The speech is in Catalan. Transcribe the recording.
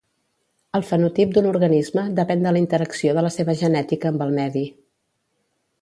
El fenotip d'un organisme depèn de la interacció de la seva genètica amb el medi.